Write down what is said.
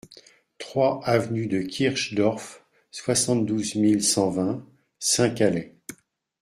trois avenue de Kirch Dorf, soixante-douze mille cent vingt Saint-Calais